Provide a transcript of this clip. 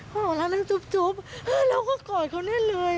เพราะเรารักน้าจุ๊บจุ๊บแล้วก็กอดเขาเนี่ยเลย